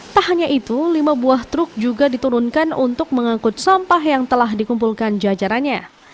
tak hanya itu lima buah truk juga diturunkan untuk mengangkut sampah yang telah dikumpulkan jajarannya